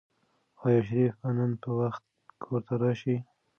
آیا شریف به نن په وخت کور ته راشي؟